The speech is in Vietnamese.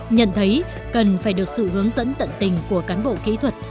nhận thấy cần phải được sự hướng dẫn tận tình của cán bộ kỹ thuật